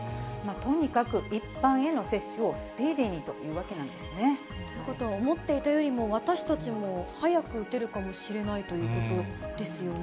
とにかく一般への接種をスピーディーにというわけなんですね。ということは、思っていたよりも、私たちも早く打てるかもしれないということですよね。